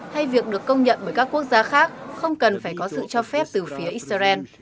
hay việc được công nhận bởi các quốc gia khác không cần phải có sự cho phép từ phía israel